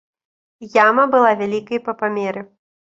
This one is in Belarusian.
Яма была вялікай па памеры.